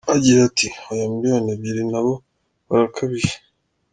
Agira ati: “Oya, miliyoni ebyiri na bo barakabije.